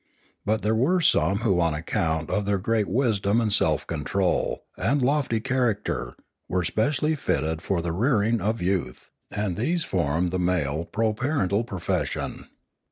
But there were some who on account of their great wisdom and self control and lofty character were specially fitted for the rearing of Ethics 591 youth, and these formed the male proparental profes sion.